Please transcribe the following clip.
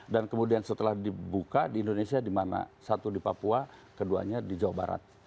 dan kemudian setelah dibuka di indonesia dimana satu di papua keduanya di jawa barat